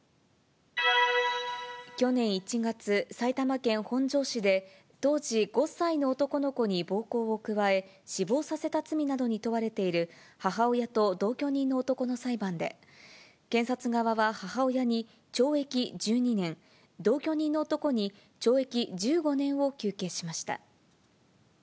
去年１月、埼玉県本庄市で、当時５歳の男の子に暴行を加え、死亡させた罪などに問われている母親と同居人の男の裁判で、検察側は母親に、懲役１２年、同居人の男に懲役１５年を求刑しました。